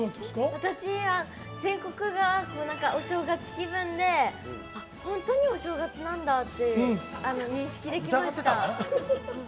私は全国がお正月気分で本当にお正月なんだって認識できました。